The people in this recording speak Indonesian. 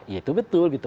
itu betul gitu